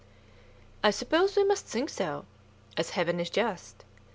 "I suppose we must think so, as Heaven is just.